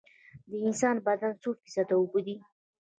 د انسان بدن څو فیصده اوبه دي؟